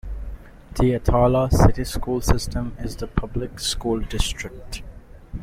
The Attalla City School System is the public school district.